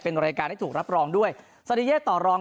เป็นรายการที่ถูกรับรองด้วยสริเย่ต่อรอง